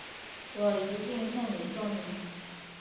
我一定向你说明